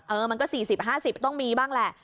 เออมันก็สี่สิบหรือห้าสิบต้องมีบ้างแหละ